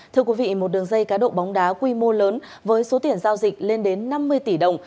thưa quý vị một đường dây cá độ bóng đá quy mô lớn với số tiền giao dịch lên đến năm mươi tỷ đồng